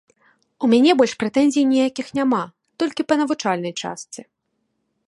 У мяне больш прэтэнзій ніякіх няма, толькі па навучальнай частцы.